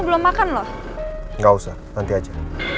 gak usah nanti aja